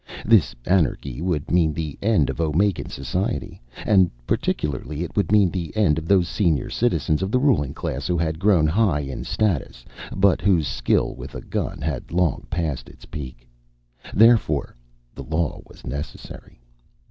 This anarchy would mean the end of Omegan society; and particularly, it would mean the end of those senior citizens of the ruling class who had grown high in status, but whose skill with a gun had long passed its peak. Therefore the law was necessary.